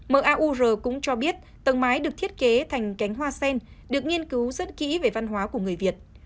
maru cũng cho biết tầng mái được thiết kế thành cánh hoa sen được nghiên cứu rất kỹ về văn hóa của người việt